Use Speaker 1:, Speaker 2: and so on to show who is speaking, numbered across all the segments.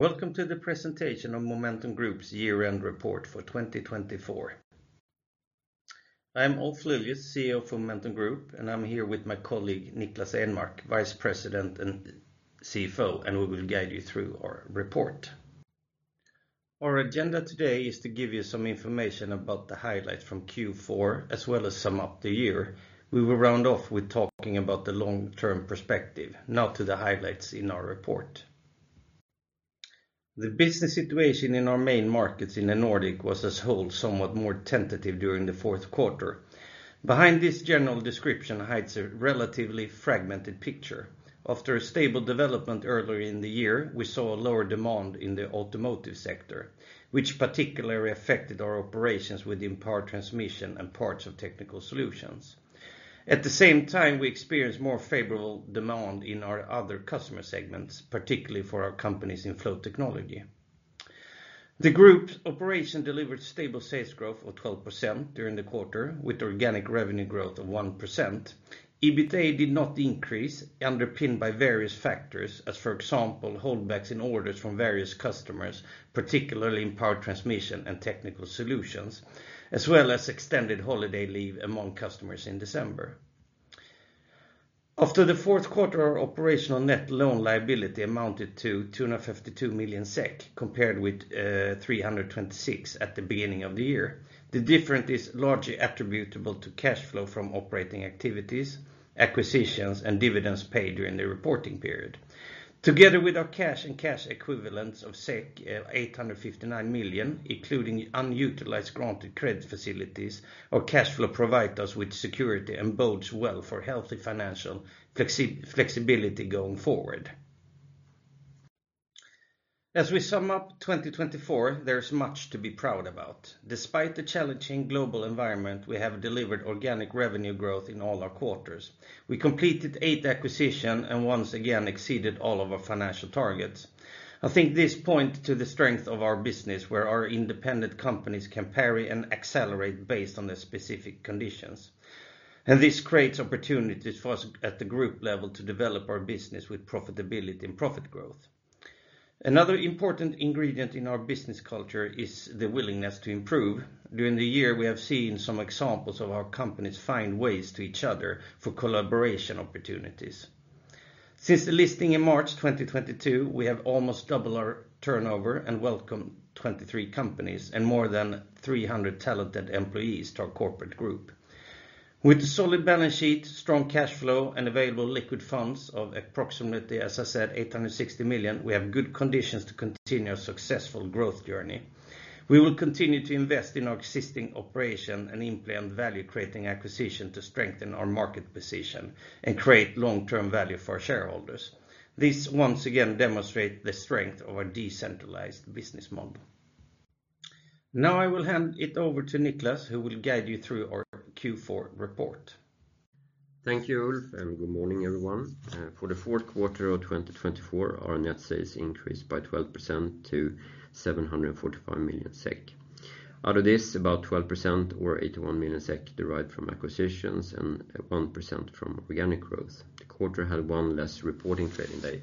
Speaker 1: Welcome to the presentation on Momentum Group's year-end report for 2024. I am Ulf Lilius, CEO of Momentum Group, and I'm here with my colleague Niklas Enmark, Vice President and CFO, and we will guide you through our report. Our agenda today is to give you some information about the highlights from Q4, as well as some outlook. We will round off with talking about the long-term perspective, now to the highlights in our report. The business situation in our main markets in the Nordics was, as a whole, somewhat more tentative during the fourth quarter. Behind this general description hides a relatively fragmented picture. After a stable development earlier in the year, we saw a lower demand in the automotive sector, which particularly affected our operations within Power Transmission and parts of Technical Solutions. At the same time, we experienced more favorable demand in our other customer segments, particularly for our companies in Flow Technology. The group's operation delivered stable sales growth of 12% during the quarter, with organic revenue growth of 1%. EBITDA did not increase, underpinned by various factors, as for example, holdbacks in orders from various customers, particularly in Power Transmission and Technical Solutions, as well as extended holiday leave among customers in December. After the fourth quarter, our operational net loan liability amounted to 252 million SEK, compared with 326 at the beginning of the year. The difference is largely attributable to cash flow from operating activities, acquisitions, and dividends paid during the reporting period. Together with our cash and cash equivalents of 859 million, including unutilized granted credit facilities, our cash flow provides us with security and bodes well for healthy financial flexibility going forward. As we sum up 2024, there is much to be proud about. Despite the challenging global environment, we have delivered organic revenue growth in all our quarters. We completed eight acquisitions and once again exceeded all of our financial targets. I think this points to the strength of our business, where our independent companies can parry and accelerate based on the specific conditions. And this creates opportunities for us at the group level to develop our business with profitability and profit growth. Another important ingredient in our business culture is the willingness to improve. During the year, we have seen some examples of our companies finding ways to each other for collaboration opportunities. Since the listing in March 2022, we have almost doubled our turnover and welcomed 23 companies and more than 300 talented employees to our corporate group. With a solid balance sheet, strong cash flow, and available liquid funds of approximately, as I said, 860 million, we have good conditions to continue our successful growth journey. We will continue to invest in our existing operation and implement value-creating acquisitions to strengthen our market position and create long-term value for our shareholders. This once again demonstrates the strength of our decentralized business model. Now I will hand it over to Niklas, who will guide you through our Q4 report.
Speaker 2: Thank you, Ulf, and good morning, everyone. For the fourth quarter of 2024, our net sales increased by 12% to 745 million SEK. Out of this, about 12%, or 81 million SEK, derived from acquisitions and 1% from organic growth. The quarter had one less reporting trading day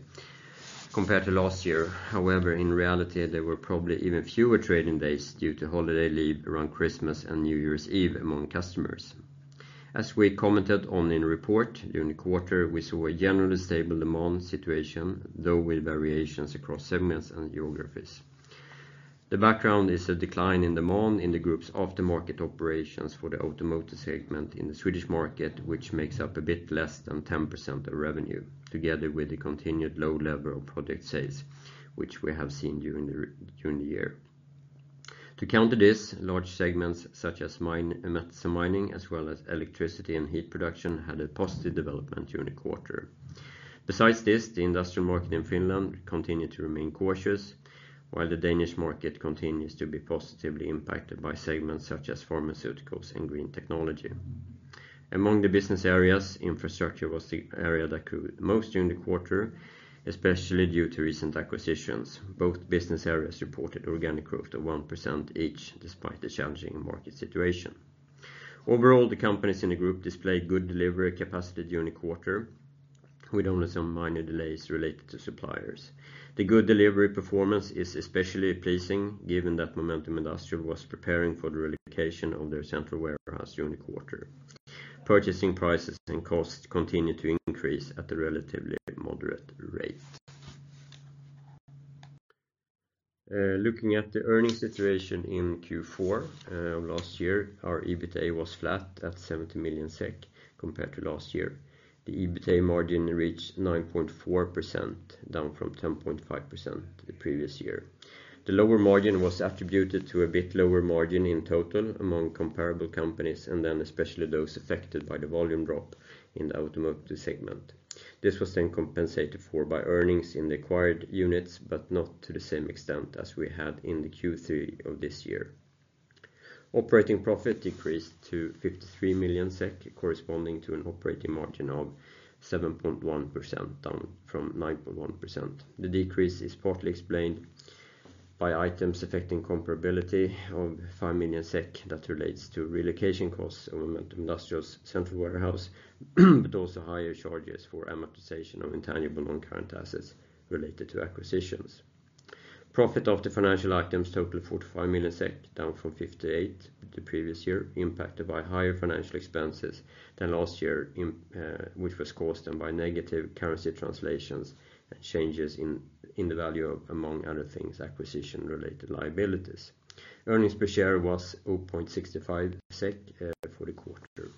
Speaker 2: compared to last year. However, in reality, there were probably even fewer trading days due to holiday leave around Christmas and New Year's Eve among customers. As we commented on in the report, during the quarter, we saw a generally stable demand situation, though with variations across segments and geographies. The background is a decline in demand in the group's aftermarket operations for the automotive segment in the Swedish market, which makes up a bit less than 10% of revenue, together with the continued low level of project sales, which we have seen during the year. To counter this, large segments such as metals and mining, as well as electricity and heat production, had a positive development during the quarter. Besides this, the industrial market in Finland continued to remain cautious, while the Danish market continues to be positively impacted by segments such as pharmaceuticals and green technology. Among the business areas, Infrastructure was the area that grew the most during the quarter, especially due to recent acquisitions. Both business areas reported organic growth of 1% each, despite the challenging market situation. Overall, the companies in the group displayed good delivery capacity during the quarter, with only some minor delays related to suppliers. The good delivery performance is especially pleasing, given that Momentum Industrial was preparing for the relocation of their central warehouse during the quarter. Purchasing prices and costs continued to increase at a relatively moderate rate. Looking at the earnings situation in Q4 of last year, our EBITDA was flat at 70 million SEK compared to last year. The EBITDA margin reached 9.4%, down from 10.5% the previous year. The lower margin was attributed to a bit lower margin in total among comparable companies, and then especially those affected by the volume drop in the automotive segment. This was then compensated for by earnings in the acquired units, but not to the same extent as we had in the Q3 of this year. Operating profit decreased to 53 million SEK, corresponding to an operating margin of 7.1%, down from 9.1%. The decrease is partly explained by items affecting comparability of 5 million SEK that relates to relocation costs of Momentum Industrial's central warehouse, but also higher charges for amortization of intangible non-current assets related to acquisitions. Profit after financial items totaled 45 million SEK, down from 58 the previous year, impacted by higher financial expenses than last year, which was caused by negative currency translations and changes in the value of, among other things, acquisition-related liabilities. Earnings per share was 0.65 SEK for the quarter.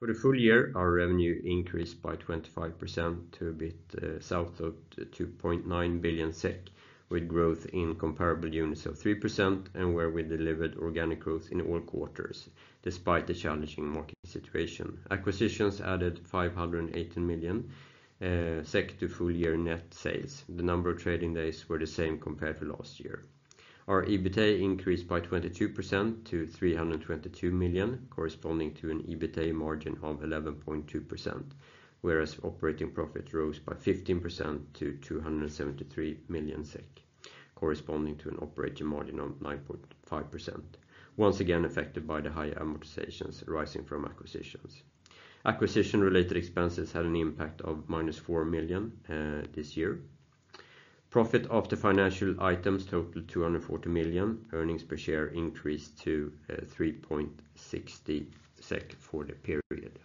Speaker 2: For the full year, our revenue increased by 25% to a bit south of 2.9 billion SEK, with growth in comparable units of 3%, and where we delivered organic growth in all quarters, despite the challenging market situation. Acquisitions added 518 million SEK to full-year net sales. The number of trading days were the same compared to last year. Our EBITDA increased by 22% to 322 million, corresponding to an EBITDA margin of 11.2%, whereas operating profit rose by 15% to 273 million SEK, corresponding to an operating margin of 9.5%, once again affected by the high amortizations arising from acquisitions. Acquisition-related expenses had an impact of minus 4 Profit after financial items totaled 240 million. Earnings per share increased to 3.60 SEK for the period.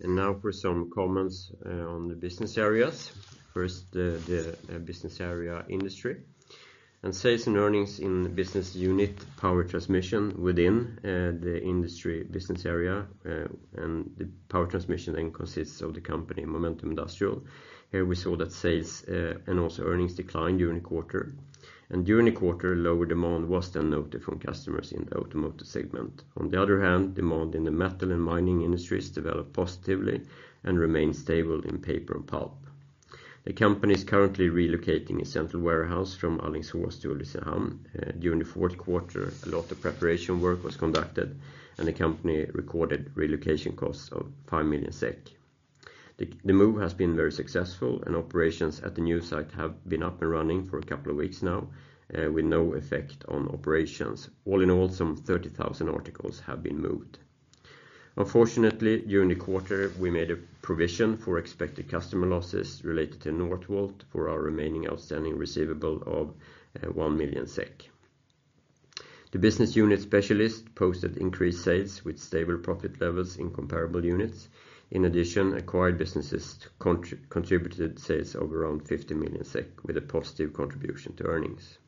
Speaker 2: And now for some comments on the business areas. First, the Business Area Industry. And sales and earnings in the business unit Power Transmission within the Industry business area. And the Power Transmission then consists of the company Momentum Industrial. Here we saw that sales and also earnings declined during the quarter. And during the quarter, lower demand was then noted from customers in the automotive segment. On the other hand, demand in the metal and mining industries developed positively and remained stable in paper and pulp. The company is currently relocating its central warehouse from Alingsås to Ulricehamn. During the fourth quarter, a lot of preparation work was conducted, and the company recorded relocation costs of 5 million SEK. The move has been very successful, and operations at the new site have been up and running for a couple of weeks now, with no effect on operations. All in all, some 30,000 articles have been moved. Unfortunately, during the quarter, we made a provision for expected customer losses related to Northvolt for our remaining outstanding receivable of 1 million SEK. The business unit Specialist posted increased sales with stable profit levels in comparable units. In addition, acquired businesses contributed sales of around 50 million SEK, with a positive contribution to earnings.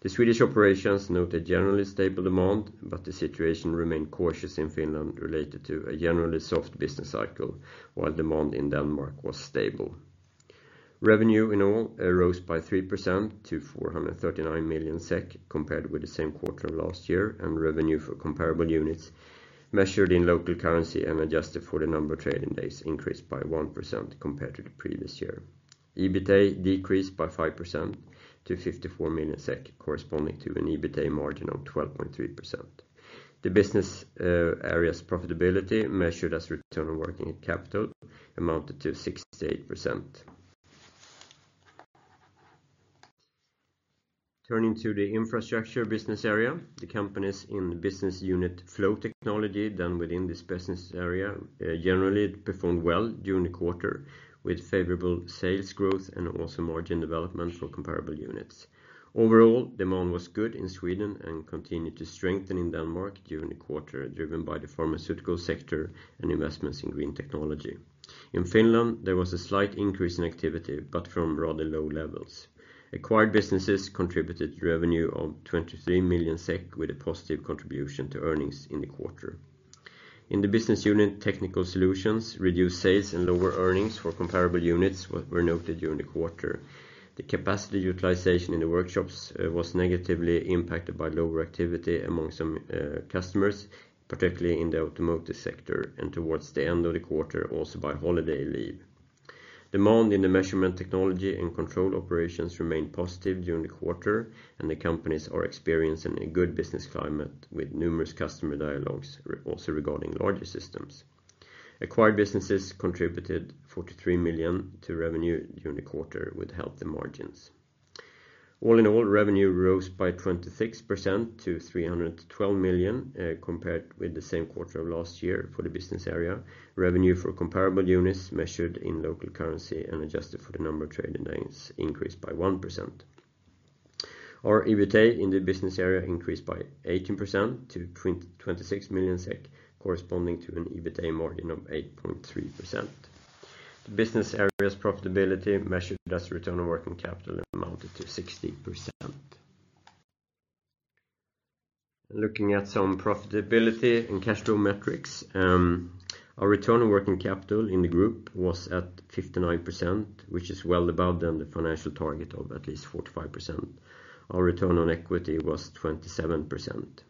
Speaker 2: The Swedish operations noted generally stable demand, but the situation remained cautious in Finland related to a generally soft business cycle, while demand in Denmark was stable. Revenue in all rose by 3% to 439 million SEK compared with the same quarter of last year, and revenue for comparable units, measured in local currency and adjusted for the number of trading days, increased by 1% compared to the previous year. EBITDA decreased by 5% to 54 million SEK, corresponding to an EBITDA margin of 12.3%. The business area's profitability, measured as return on working capital, amounted to 68%. Turning to the Infrastructure business area, the companies in the business unit Flow Technology within this business area generally performed well during the quarter, with favorable sales growth and also margin development for comparable units. Overall, demand was good in Sweden and continued to strengthen in Denmark during the quarter, driven by the pharmaceutical sector and investments in green technology. In Finland, there was a slight increase in activity, but from rather low levels. Acquired businesses contributed revenue of 23 million SEK, with a positive contribution to earnings in the quarter. In the business unit Technical Solutions, reduced sales and lower earnings for comparable units were noted during the quarter. The capacity utilization in the workshops was negatively impacted by lower activity among some customers, particularly in the automotive sector, and towards the end of the quarter, also by holiday leave. Demand in the measurement technology and control operations remained positive during the quarter, and the companies are experiencing a good business climate, with numerous customer dialogues also regarding larger systems. Acquired businesses contributed 43 million to revenue during the quarter, with healthy margins. All in all, revenue rose by 26% to 312 million compared with the same quarter of last year for the business area. Revenue for comparable units, measured in local currency and adjusted for the number of trading days, increased by 1%. Our EBITDA in the business area increased by 18% to 26 million SEK, corresponding to an EBITDA margin of 8.3%. The business area's profitability measured as return on working capital amounted to 60%. Looking at some profitability and cash flow metrics, our return on working capital in the group was at 59%, which is well above than the financial target of at least 45%. Our return on equity was 27%.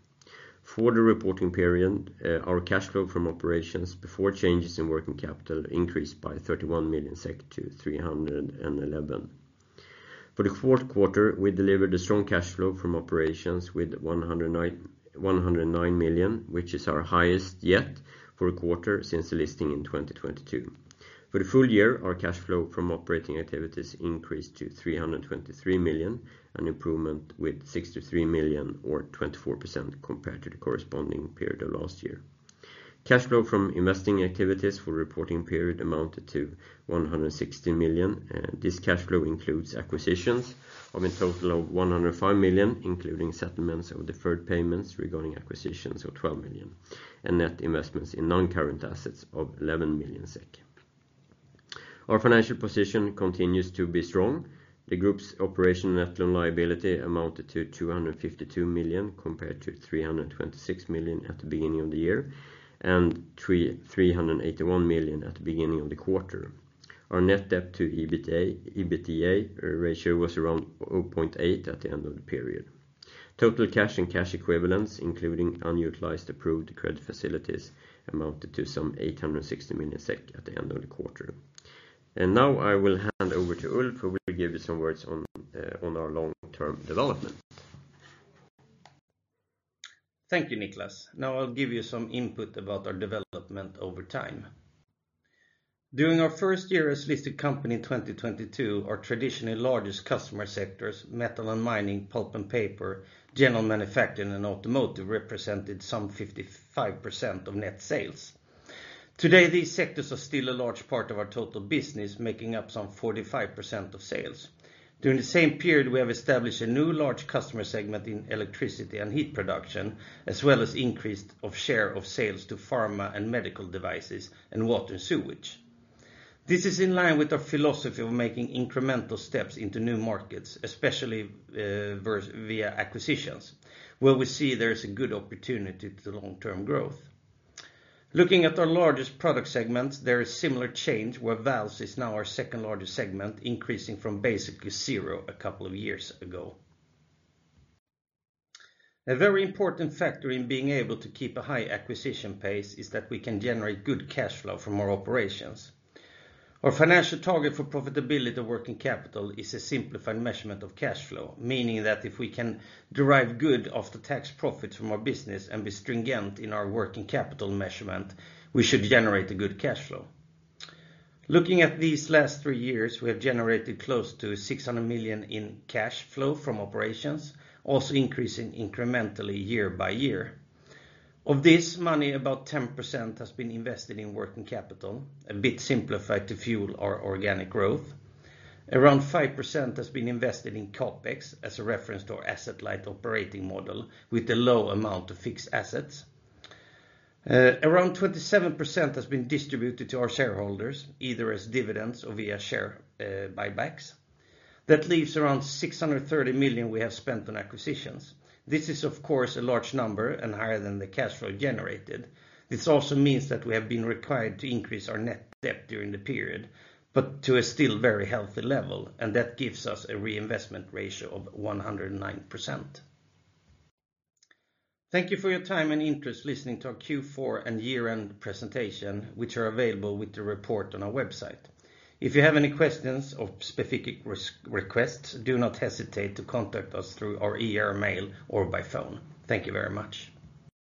Speaker 2: For the reporting period, our cash flow from operations before changes in working capital increased by 31 million SEK to 311. For the fourth quarter, we delivered a strong cash flow from operations with 109 million, which is our highest yet for a quarter since the listing in 2022. For the full year, our cash flow from operating activities increased to 323 million, an improvement with 63 million, or 24% compared to the corresponding period of last year. Cash flow from investing activities for the reporting period amounted to 160 million. This cash flow includes acquisitions of a total of 105 million, including settlements of deferred payments regarding acquisitions of 12 million, and net investments in non-current assets of 11 million SEK. Our financial position continues to be strong. The group's operational net loan liability amounted to 252 million compared to 326 million at the beginning of the year and 381 million at the beginning of the quarter. Our net debt to EBITDA ratio was around 0.8 at the end of the period. Total cash and cash equivalents, including unutilized approved credit facilities, amounted to some 860 million SEK at the end of the quarter. And now I will hand over to Ulf, who will give you some words on our long-term development.
Speaker 1: Thank you, Niklas. Now I'll give you some input about our development over time. During our first year as a listed company in 2022, our traditionally largest customer sectors, metal and mining, pulp and paper, general manufacturing, and automotive, represented some 55% of net sales. Today, these sectors are still a large part of our total business, making up some 45% of sales. During the same period, we have established a new large customer segment in electricity and heat production, as well as an increased share of sales to pharma and medical devices and water and sewage. This is in line with our philosophy of making incremental steps into new markets, especially via acquisitions, where we see there is a good opportunity to long-term growth. Looking at our largest product segments, there is similar change, where valves is now our second largest segment, increasing from basically zero a couple of years ago. A very important factor in being able to keep a high acquisition pace is that we can generate good cash flow from our operations. Our financial target for return on working capital is a simplified measurement of cash flow, meaning that if we can derive good after-tax profits from our business and be stringent in our working capital measurement, we should generate a good cash flow. Looking at these last three years, we have generated close to 600 million in cash flow from operations, also increasing incrementally year by year. Of this, only about 10% has been invested in working capital, a bit simplified to fuel our organic growth. Around 5% has been invested in CapEx as a reference to our asset-light operating model, with a low amount of fixed assets. Around 27% has been distributed to our shareholders, either as dividends or via share buybacks. That leaves around 630 million we have spent on acquisitions. This is, of course, a large number and higher than the cash flow generated. This also means that we have been required to increase our net debt during the period, but to a still very healthy level, and that gives us a reinvestment ratio of 109%. Thank you for your time and interest listening to our Q4 and year-end presentation, which are available with the report on our website. If you have any questions or specific requests, do not hesitate to contact us through our mail or by phone. Thank you very much.